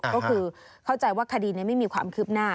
ก็คือเข้าใจว่าคดีนี้ไม่มีความคืบหน้า